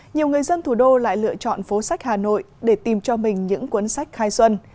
nhiều người dân thủ đô lại lựa chọn phố sách hà nội để tìm cho mình những cuốn sách khai xuân